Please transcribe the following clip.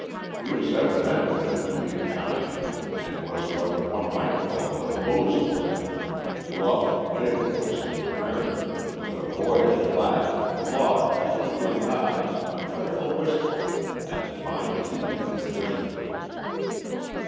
He was evidently meant to be a giant, and was what one might call the bo'sun type, bluff, big voiced and merry, with a boyish laugh, large, twinkling eyes, a trifle wistful, and the fine teeth of the district.